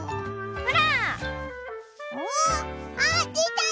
ほら！